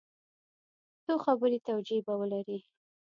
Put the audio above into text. څو خبري توجیې به ولري.